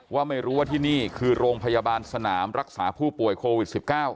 ว่าไม่รู้ว่าที่นี่คือโรงพยาบาลสนามรักษาผู้ป่วยโควิด๑๙